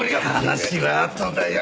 話はあとだよ。